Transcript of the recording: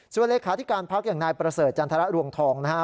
ส่วนเลขาธิการพักอย่างนายประเสริฐจันทรรวงทองนะฮะ